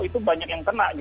itu banyak yang kena